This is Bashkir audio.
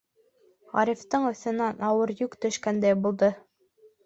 Ғарифтың өҫтөнән ауыр йөк төшкәндәй булды.